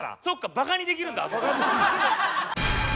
そっかバカにできるんだ。